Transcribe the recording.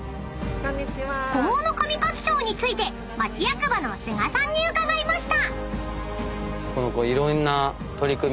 ［今後の上勝町について町役場の菅さんに伺いました］